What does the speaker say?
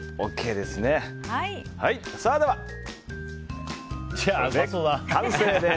では、完成です。